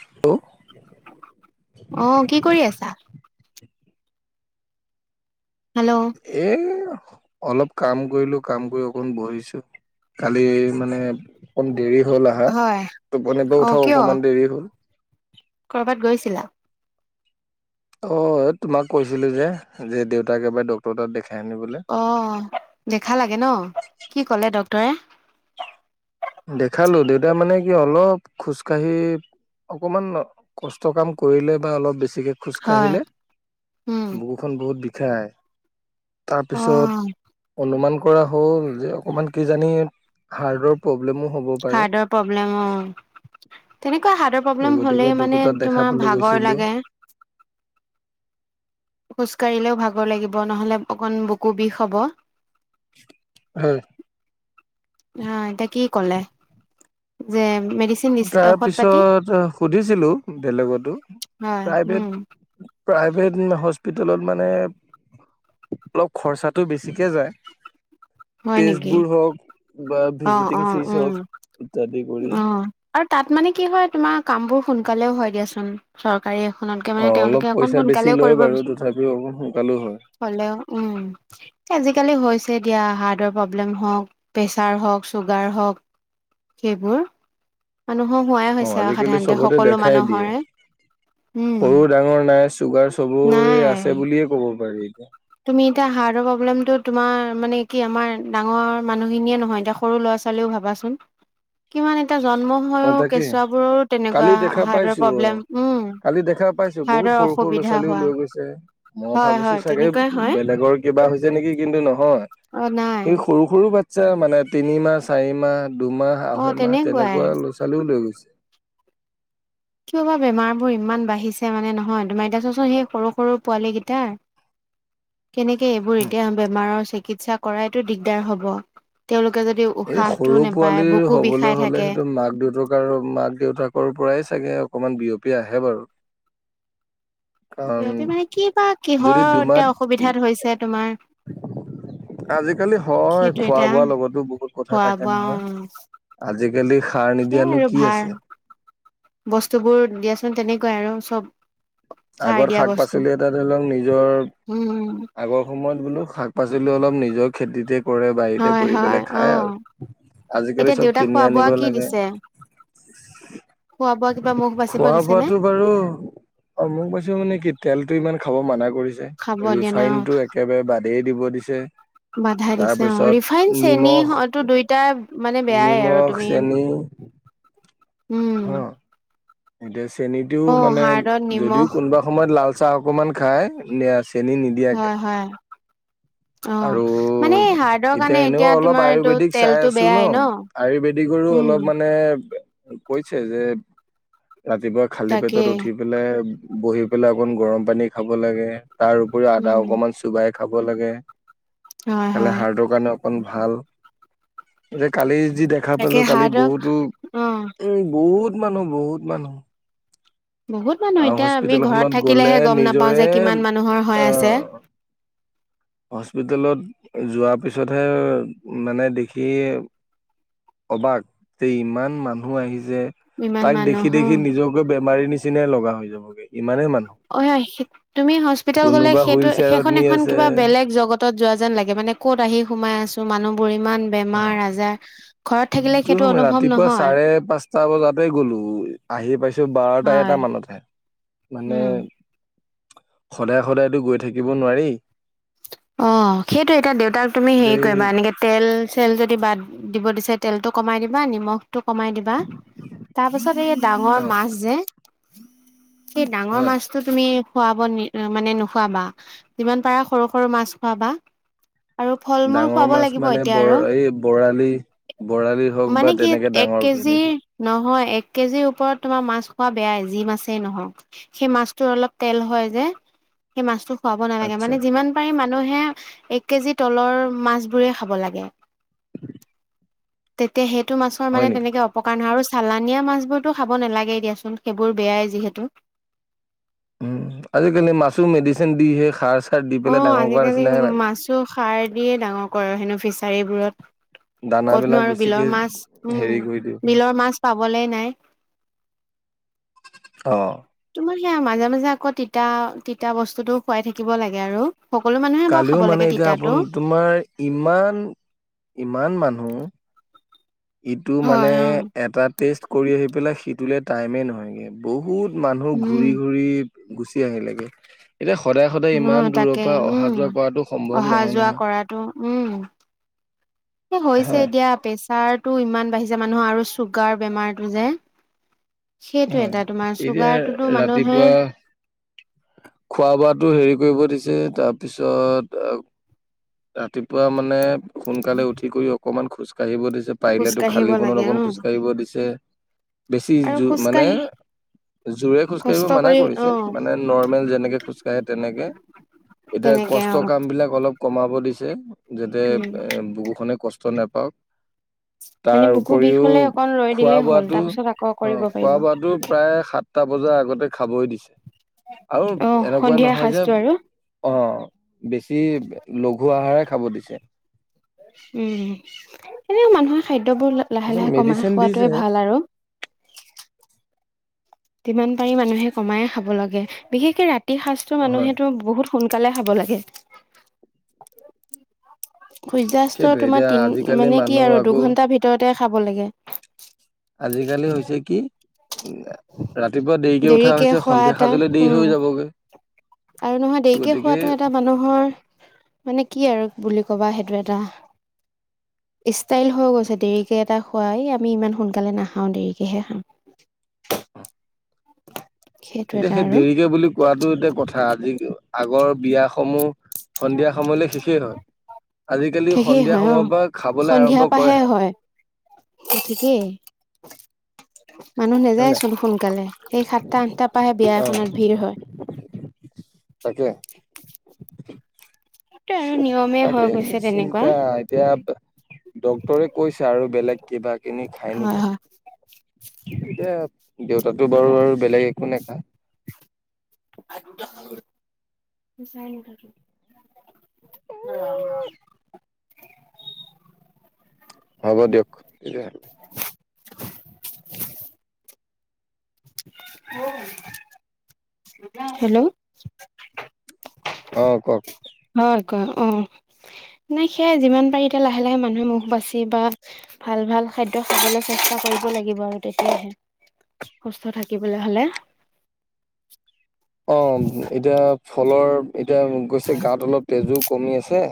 Hello. অ', কি কৰি আছা? হেল্ল' এ অলপ কাম কৰিলো, কাম কৰি অকণ বহিছো, কালি মানে অকণ দেৰি হ'ল আহা হয় টোপনী পৰা অ উঠাও কিয় অকণমান দেৰি হ'ল। কৰ'বাত গৈছিলা? অ', এ তোমাক কৈছিলো যে দেউতাক এবাৰ ডক্তৰৰ তাত দেখ অ', দেখালাগে ন' কি ক'লে ডক্তৰে? দেখালোঁ দেউতাই মানে কি অলপ খোজকাাঢ়ি অকমান কষ্ট কাম কৰিলে বা অলপ বেছিকে হয় খোজকাঢ়িলে উম বুকুখন বহুত বিষাই। অ তাৰপিছত অনুমান কৰা হ'ল যে অকমান কি জানি হাৰ্ডৰ হাৰ্টৰ প্ৰব্লেম অ, তেনেকুৱা হাট সেই প্ৰব্লেম হ'লে গতিকে ডক্তৰ মানে তাত তোমাৰ দেখাবলৈ ভাগৰ গৈছিলো লাগে। খোজকাঢ়িলেও ভাগৰ লাগিব নহ'লে অকণ বকু বিষ হ'ব। হা এতিয়া কি কলে। যে, মেডিচিন দিছে ঔষধ পাতি তাৰপিছত সুধিছিলোঁ বেলেগতো হয় উম প্ৰাইভেট প্ৰাইভেট হস্পিটেলত মানে অলপ খৰচাটো বেছিকে যায়, হয় নেকি তেষ্টবোৰ হওঁক বা অ অ ভিজিটিং ফিজ উম হওঁক ইত্যাদি কৰি। অ', আৰু তাত মানে কি হয় তোমাৰ কামবোৰ সোনকালেও হয় দিয়াচোন চ কাৰী এখনতকে অ মানে অলপ তেওঁলোকে এখন পইচা বেছি সোনকালেও লয় কৰিব বাৰু বিচোন। তথাপিও অকণ সোনকালো হয় হ'লেও উম, আজিকালি হৈছে দিয়া। হাৰ্টৰ প্ৰব্লেম হওক প্ৰেছাৰ হওক চুগাৰ হওক সেইবোৰ। মানুহৰ হোৱাই অ হৈছে আৰু আজিকালি সাধাৰণতে চবতে সকলো দেখাই দিয়ে মানুহৰে উম, সৰু ডাঙৰ নাই চুগাৰ চবৰে নাই আছে বুলিয়ে ক'ব পাৰি। এতিয়া তুমি এতিয়া হাৰ্টৰ প্ৰব্লেমটো তোমাৰ মানে কি আমাৰ ডাঙৰ মানুহখিনিয়ে নহয় এতিয়া সৰু ল'ৰা চালেও ভাবাচোন। কিমান এতিয়া জন্ম অ হয়ও তাকে কেঁচুৱাবোৰৰো তেনেকুৱা কালি দেখা হাৰ্টৰ পাইছো অ প্ৰব্লেম উম, কালি দেখা পাইছো বহুত হাৰ্টৰ সৰু সৰু ল'ৰা অসুবিধা ছোৱালীয়ো হোৱা। লৈ গৈছে মই হয় ভাবিছো হয় চাগে তেনেকুৱাই হয় বেলেগৰ কিবা হৈছে নেকি কিন্তু নহয় অ নাই সি সৰু সৰু বাচ্ছা মানে তিনিমাহ চাৰি মাহ দুমাহ অ আঢ়ৈ মাহ তেনেকুৱাই তেনেকুৱা ল'ৰা ছোৱালীয়ো লৈ গৈছে। [inaudible] কিয় বা বেমাৰবোৰ ইমান বাঢ়িছে মানে নহয় তোমাৰ এতিয়া ছোৱাছোন সেই সৰু সৰু পোৱালী কিতা কেনেকে এইবোৰ এতিয়া বেমাৰৰ চিকিৎসা কৰাইতো দিগদাৰ হব তেওঁলোক এই সৰু পোৱালি বিষাই হবলৈ হ'লে থাকে সেইটো মাক দেউতাক মাক দেউতাকৰ পৰাই চাগে অকণমান বিয়পি আহে বাৰু। কাৰণ বিয়পি মানে কিবা যদি কিহৰ দুমাহ এতিয়া অসুবিধাত হৈছে তোমাৰ। আজিকালি হয় খোৱা বোৱা লগতো বহুত। কথা থাকে খোৱা-বোৱা নহয় অ', আজিকালি সাৰ নিদিয়ানো সেইয়াই আৰু কি ভাল আছে বস্তুবোৰ দিয়াচোন তেনেকুৱাই আৰু চব। সাৰ আগত দিয়া শাক বস্তু পাচলি এটা ধৰি লওঁক নিজৰ উম আগৰ সময়ত বোলো শাক পাচলি অলপ নিজৰ খেতিতে কৰে বাৰীতে হয় কৰি হয় পেলাই অ খায় আৰু। আজিকালি এতিয়া চব দেউতাক কিনি খোৱা আনিব বোৱা কি লাগে। দিছে খোৱা বোৱা কিবা মুখ বাচিব খোৱা দিছে নে? বোৱাটো বাৰু অ' মোক পাইছে মানে কি তেলটো ইমান খাব মানা কৰিছে খাব দিয়া নাই অ ৰিফাইন টো একেবাৰে বাদ। বাদেই দিব দিছে। বাধা দিছে অ', তাৰপিছত ৰিফাইন চেনি নিমখ হয়তো দুইটা। মানে বেয়াই আৰু নিমখ তুমি। উম অ', এতিয়া চেনীটোও অ মানে হাৰ্ডত যদিও নিমখ কোনোবা সময়ত লাল। চাহ অকমান খাই চেনি নিদিয়াকে। হয় হয় অ আৰু মানে হাৰ্টৰ এতিয়া কাৰণে এনেও অলপ তোমাৰ এইটো আয়ুৰ্বেদিক চাই তেলটো আছো ন বেয়াই আয়ুৰ্বেদিক। আদি কৰো উম অলপ মানে কৈছে যে ৰাতিপুৱা খালী তাকে পেটত উঠি পেলাই বহি পেলাই অকণ গৰম পানী খাব লাগে তাৰ উপৰিও আদা উম অকমান চুবাই খাব লাগে। হয় খালি হয় হাৰ্টৰ কাৰণে অকণ ভাল এতিয়া কালি যি দেখা তাকে পালো কালি হাৰ্টক বহুতো অ উম, বহুত মানুহ বহুত মানুহ। বহুত মানুহ আহ এতিয়া আমি হস্পিতেল ঘৰত খনত গলে থাকিলেহে গম নাপাওঁ নিজৰে যে কিমান মানুহৰ হৈ আছে। [inaudible] আহ হস্পিতেলত যোৱাৰ পিছতহে মানে, দেখি অবাক তে, ইমান মানুহ আহিছে যে ইমান তাক মানুহ দেখি দেখি অ নিজকে বেমাৰী নিচিনাই লগা হৈ যাবগে ইমানে মান অ হেয়া সেত তুমি, হস্পিতাল গলে সেইটো হুইল চেয়াৰত সেইখন নি এখন আছে কিবা বেলেগ জগতত যোৱা যেন লাগে মানে। এ ক'ত আহি সোমাই আছো, মানুহবোৰ ইমান অ বেমাৰ আজাৰ। ঘৰত থাকিলে সেইটো একদম অনুভৱ ৰাতিপুৱা নহয় চাৰে পাঁচটা বজাতে গ'লো আহি পাইছো বাৰটা হয় এটা মান অলপ হে, মানে, উম সদায়-সদায়তো গৈ থাকিব, নোৱাৰি। অ'! সেইটোৱে এতিয়া, দেউতাক তুমি, যে সেৰি কৰিবা, এনেকে তেল-চেল যদি বাদ দিব দিছে, তেলটো কমাই দিবা নিমখটো কমাই দিবা তাৰ পাছত এই ডাঙৰ অ মাছ যে সেই ডাঙৰ হয় মাছটো তুমি খুৱাব মানে নোখুৱাবা যিমান পাৰা সৰু সৰু মাছ খোৱাবা। আৰু ফল মূল ডাঙৰ খুৱাব মাছ লাগিব মানে এতিয়া বৰ আৰু। এই বৰালি বৰালি হওক বা মানে কি তেনেকে এক ডাঙৰকে কেজি নেকি? নহয় এক কেজিৰ ওপৰত তোমাৰ মাছ খোৱা বেয়াই যি মাছেই নহওক সেই মাছটো অলপ তেল হয় যে। সেই মাছটো খোৱাব নালাগে। আচ্ছা মানে, যিমান পাৰি মানুহে, এক কেজি তলৰ, মাছবোৰে খাব লাগে। তেতিয়া, সেইটো মাছৰ হয় মানে, নেকি? তেনেকে অপকাৰ নহয়। আৰু চালানিয়া মাছবোৰতো খাব নালাগে, দিয়াচোন। সেইবোৰ, বেয়াই যিহেতু। উম, আজিকালি মাছো মেডিচিন দিহে, সাৰ আছে। অ'! আজিকালি মাছো, সাৰ দিয়ে ডাঙৰ কৰে, হেনোঁ ফিচাৰী বোৰত। ক'তনো দানাবিলাক আৰু বেছিকে বিলৰ মাছ, উম! হেৰি কৰি দিওঁ বিলৰ মাছ পাবলে নাই। [inaudible] অ'! তোমাৰ সেয়া, মাজে-মাজে আকৌ, তিতা-তিতা বস্তুটো খুৱাই থাকিব লাগে আৰু। সকলো মানুহে বাৰু কালিও খাব মানে, লাগে এতিয়া তিতাটো আপোন, তোমাৰ ইমান, ইমান মানুহ! ইটো মানে, হয় অ এটা টেষ্ট কৰি আহি পেলাই, সিটোলে টাইমে নহয়গে। বহুত মানুহ, উম ঘূৰি-ঘূৰি গুচি আহিলেগে। এতিয়া, সদায় সদায় ইমান উম! দূৰৰ তাকে, পৰা অহা উম! যোৱা কৰাটো সম্ভৱ নহয় অহা-যোৱা নহয়। কৰাটো, উম। এ, হৈছে হয় এতিয়া, প্ৰেছাৰ টো ইমান বাঢ়িছে! মানুহ আৰু চুগাৰ বেমাৰটো যে। সেইটোৱে, হয় এতিয়া তোমাৰ, এতিয়া চুগাৰটোতো মানুহে, খোৱা-বোৱাতো সেৰি কৰিব দিছে। তাৰপিছত, ৰাতিপুৱা মানে, সোনকালে উঠি কৰি, অকমান খোজ কাঢ়িব দিছে, খোজ পাৰিলেতো কাঢ়িব খালী বনত লাগে অকণ অ খোজকাঢ়িব দিছে। বেছি আৰু মানে, খোজকাঢ়ি জোৰে খোজকাঢ়িব কষ্ট মানা কৰি অ কৰিছে মানে নৰ্মেল যেনেকে খোজকাঢ়ে তেনেকে। এতিয়া তেনেকে কষ্ট অ কাম বিলাক অলপ। কমাব দিছে যাতে উম এ বুকুখনে কষ্ট নেপাওক। তাৰ মানে বুকু বিষ উপৰিও হলে অকন ৰৈ খোৱা দিলেই হ'ল বোৱাতটো তাৰ পিছত আকৌ অ কৰিব খোৱা পাৰিব বোৱাটো প্ৰায় সাতটা বজাৰ আগতে খাবই দিছে। আৰু অ এনেকুৱা সন্ধিয়া নহয় যে সাজটো আৰু অ বেছি লঘু আহাৰেই খাব দিছে। উম এনেও মানুহৰ খাদ্য দ্য বোৰ লাহে তাৰপিছত লাহে কমাই মেডিচিন দিছে খোৱাটোৱে ভাল আৰু। যিমান পাৰি মানুহে কমাইয়ে খাব লাগে বিশেষকে ৰাতিৰ সাজটো হয় মানুহেতো বহুত সোনকালে খাব লাগে। সূৰ্য্যাস্ত সেইটোৱে তোমাৰ এতিয়া তিনি আজিকালি মানে কি মানুহ আৰু আকৌ দুঘন্টাৰ ভিতৰতে খাব লাগে। আজিকালি হৈছে কি উ ৰাতিপুৱা দেৰিকে উঠা হৈছে খোৱা সন্ধিয়া এটা সাজলৈ দেৰি উম হৈ যাবগৈ। আৰু নহয় দেৰিকে গতিকে খোৱাটো এটা মানুহৰ মানে কি আৰু বুলি ক'বা সেইটো এটা। ষ্টাইল হৈ গৈছে দেৰিকে এটা খোৱাই আমি ইমান সোনকালে নাখাওঁ দেৰিকেহে খাওঁ। [unintelligible] এতিয়া সেই দেৰিকে বুলি কোৱাটো এতিয়া কথা আজি আগৰ বিয়াসমূহ সন্ধিয়া সময়লে শেষেই হয়। আজিকালি শেষেই সন্ধিয়া হয় অ সময়ৰ পৰা খাবলৈ সন্ধিয়া আৰম্ভ পাহে কৰেহে। হয় ঠিকেই। মানুহ হয় নাই নাযায়চোন সোনকালে এই সাতটা আঠটাৰ পৰাহে বিয়া অ এখনত ভিৰ হয়। [unintelligible] তাকে সেইটোৱে আৰু নিয়মে হৈ তাকে গৈছে তেনেকুৱা। চিন্তা এতিয়া ডক্তৰে কৈছে আৰু বেলেগ কিবা কিনি খায় হয় হয়। নেকি এতিয়া দেউতাতো বাৰু আৰু বেলেগ একো নেখাই ভাত কেতিয়া খাবি চাৰে ন তাত অ ৰাম ৰাম হ'ব দিয়ক [unintelligible] হেল্ল' অ কওক। অ কোৱা অ নাই সেয়াই যিমান পাৰি এতিয়া লাহে লাহে মানুহে মুখ বাচি বা ভাল। ভাল খাদ্য খাবলৈ চেষ্টা কৰিব লাগিব আৰু তেতিয়াহে সুস্থ থাকিবলৈ হলে, অ এতিয়া ফলৰ এতিয়া গৈছে গাত অলপ তেজো কমি আছে,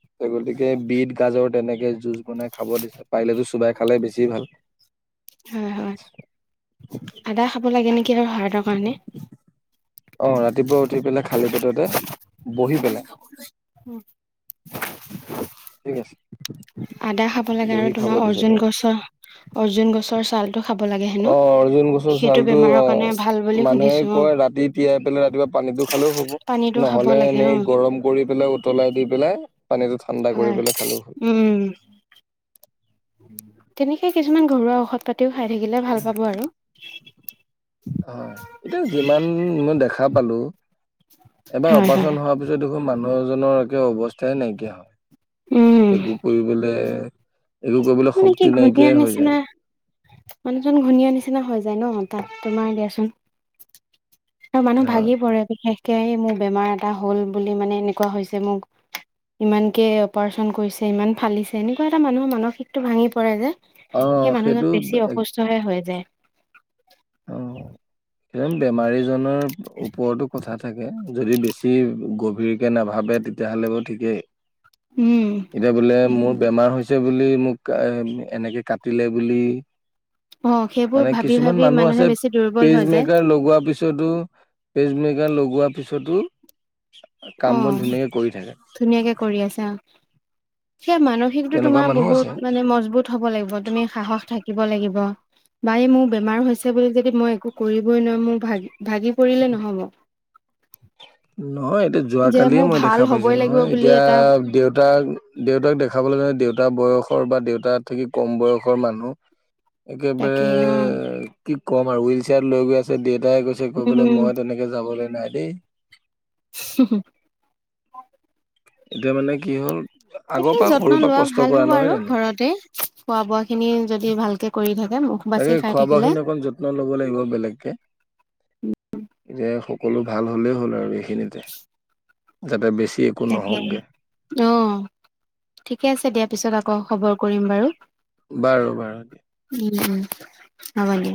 সেই গতিকে বিট গাজৰ, তেনেকে জুচ বনাই খাব দিছে পাৰিলেতো চোবাই খালে বেছি ভাল হয় হয় আদা খাব লাগে নেকি আৰু হাৰ্টৰ কাৰণে। অ ৰাতিপুৱা উঠি পেলাই খালী পেটতে বহি পেলাই উম ঠিক আছে আদা খাব লাগে আৰু বহি খাব তোমাৰ দিছে অৰ্জুন তেওঁ গছৰ অৰ্জুন গছৰ ছালটো খাব লাগে হেনো অ অৰ্জুন গছৰ সেইটো ছালটো বেমাৰৰ কাৰণে ভাল বুলি শুনিছো অ দি তিয়াই পেলাই ৰাতিপুৱা পানীটো খালেও হ'ব পানীটো খাব নহলে লাগে অ এনেই গৰম কৰি পেলাই উতলাই দি পেলাই পানীটো ঠাণ্ডা কৰি হয়, পেলাই খালেও হ'ল উম। তেনেকেই কিছুমান ঘৰুৱা ঔষধ পাতিও খাই থাকিলে ভাল পাব আৰু। হয়, এতিয়া যিমান মই দেখা পালো। এবাৰ হয় হয়। অপাৰচন হোৱাৰ পিছত দেখোন মানুহ এজনৰ একে অৱস্থাই নাইকিয়া উম হয়। একো কৰিবলে। একো কৰিবলৈ মানে, কি শক্তি ঘূণীয়া নাইকিয়াই হৈ নিচিনা যায় মানুহজন ঘূণীয়া নিচিনা হৈ যায় ন। তাত তোমাৰ দিয়াচোন আৰু মানুহ হয় ভাগি পৰে বিশেষ। [unintelligible] মোৰ বেমাৰ এটা হ'ল বুলি মানে এনেকুৱা হৈছে মোক। ইমানকে অপাৰচন কৰিছে, ইমান ফালিছে। এনেকুৱা এটা মানুহৰ মানসিক টো ভাঙি পৰে যে অ সেই মানুহজন সেইটো বেছি অসুস্থহে হৈ যায়। সেই বেমাৰীজনৰ ওপৰতো কথা থাকে। যদি বেছি গভীৰকে নাভাবে তেতিয়াহ'লে বাও ঠিকেই। উম এতিয়া বোলে মোৰ বেমাৰ হৈছে বুলি মোক এনেকে কাটিলে বুলি অ সেইবোৰ মানে ভাবি কিছুমান ভাবি মানুহ আছে। মানুহে বেছি দুৰ্বল হৈ যায়। পেচমেকাৰ লগোৱাৰ পিছতো পেচমেকাৰ লগোৱাৰ পিছতো অ কাম-বন ধুনীয়াকে কৰি থাকে। ধুনীয়াকে কৰি আছে অ। সেই মানসিকতাটো তেনেকুৱা তোমাৰ মানুহ আছে। বহুত মানে মজবুত হব লাগিব, তুমি সাহস থাকিব লাগিব। বাই মোৰ বেমাৰ হৈছে বুলি যদি মই একো কৰিবই নোৱাৰো, মোৰ ভাগি ভাগি পৰিলে নহব। [inaudible] নহয় এতিয়া যে যোৱাকালিয়ে মোৰ মই ভাল দেখা পাইছো হ'বই লাগিব নহয় বুলি এতিয়া এটা দেউতাক দেউতাক দেখাবলৈ গ'লে দেউ দেউতা বয়সৰ বা দেউতা থাকি কম বয়সৰ মানুহ। তাকে একেবাৰে অ কি ক'ম আৰু, হুইল চেয়াৰত লৈ গৈ আছে ডেট। তাই কৈছে কৈ বোলে উম মই তেনেকে যাবলৈ নাই দেই। হ হ এতিয়া মানে কি হ'ল? আগৰ তাকে পৰা যত্ন সৰুৰ পৰা লোৱা কষ্ট ভাল কৰা হব নহয় আৰু জানো ঘৰতে খোৱা বোৱা খিনি যদি ভালকে কৰি থাক তাকে খোৱা বোৱাখিনি অকমান যত্ন লব লাগিব বেলেগকে এতিয়া সকলো ভাল হ'লেই হ'ল আৰু এইখিনিতে, যাতে বেছি একো তাকে নহওকগে। অ ঠিকে আছে দিয়া পিছত আকৌ খবৰ কৰিম বাৰু। বাৰু বাৰু দিয়া। নালাগে।